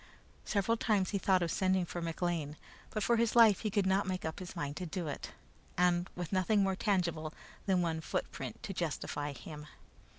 Several times he thought of sending for McLean, but for his life he could not make up his mind to do it with nothing more tangible than one footprint to justify him.